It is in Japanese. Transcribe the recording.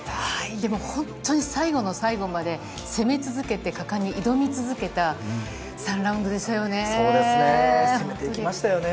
でも本当に最後の最後まで攻め続けて果敢に挑み続けた３ラウ攻めていきましたよね。